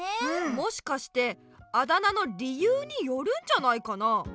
もしかしてあだ名の理由によるんじゃないかな。